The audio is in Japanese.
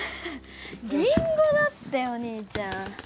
りんごだってお兄ちゃん。